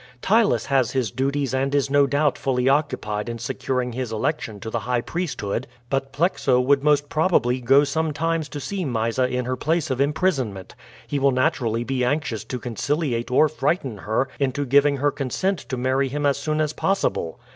Ptylus has his duties and is no doubt fully occupied in securing his election to the high priesthood, but Plexo would most probably go sometimes to see Mysa in her place of imprisonment; he will naturally be anxious to conciliate or frighten her into giving her consent to marry him as soon as possible.